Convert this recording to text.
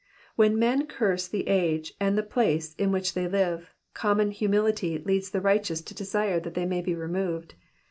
When men curse the age and the place in which they live, com mon humanity leads the righteous to desire that they may be removed.